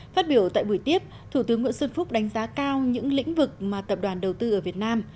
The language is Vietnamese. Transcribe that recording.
phát biểu tại buổi tiếp thủ tướng nguyễn xuân phúc đánh giá cao những lĩnh vực mà tập đoàn đầu tư ở việt nam